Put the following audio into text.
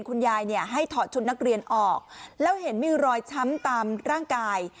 คุณยายเนี่ยให้ถอดชุดนักเรียนออกแล้วเห็นมีรอยช้ำตามร่างกาย